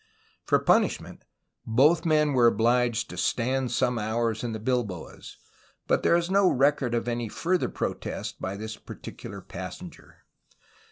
For punishment both men were obliged to "stand some hours in the bilboes," but there is no record of any further protest by this particular passenger.